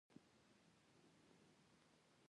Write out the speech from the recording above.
د هوایي ټکټ نرخونه د موسم سره بدلېږي.